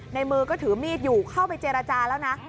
มือก็ถือมีดอยู่เข้าไปเจรจาแล้วนะ